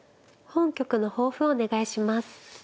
本局の抱負をお願いします。